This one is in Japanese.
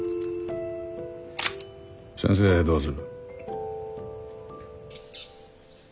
先生どうする？